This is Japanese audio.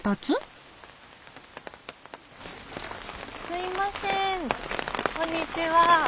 すいませんこんにちは。